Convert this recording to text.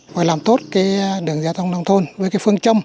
phải làm tốt đường gia tông nông thôn với phương trông